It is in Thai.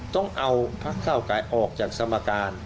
ต้องเอาพักเก้าไกรออกจากสมการ